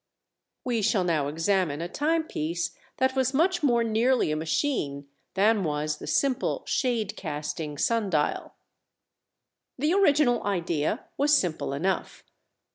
We shall now examine a timepiece that was much more nearly a machine than was the simple shade casting sun dial. The original idea was simple enough.